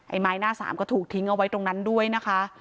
ไม้หน้าสามก็ถูกทิ้งเอาไว้ตรงนั้นด้วยนะคะ